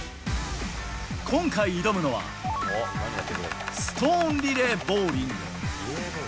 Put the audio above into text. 今回挑むのは、ストーンリレーボウリング。